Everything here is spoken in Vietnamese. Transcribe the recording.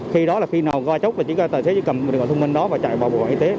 khi đó là khi nào qua chốt là chỉ có tài xế cầm điện thoại thông minh đó và chạy vào bộ phận y tế